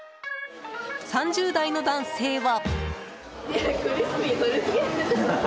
３０代の男性は。